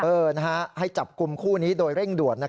เอิ่อนะฮะให้จับกลุ่มคู่นี้โดยเร่งด่วน